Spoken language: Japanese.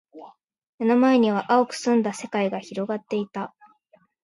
目の前には蒼く澄んだ世界が広がっていた。